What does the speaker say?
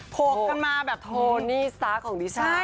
กกันมาแบบโทนี่สตาร์ทของดิฉัน